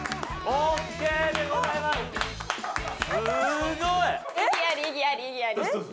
すごい！